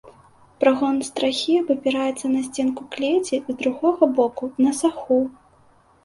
Прагон страхі абапіраецца на сценку клеці, з другога боку на саху.